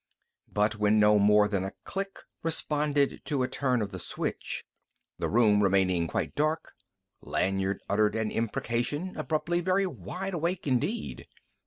But when no more than a click responded to a turn of the switch, the room remaining quite dark, Lanyard uttered an imprecation, abruptly very wide awake indeed.